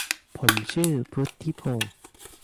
ผมชื่อพุฒิพงศ์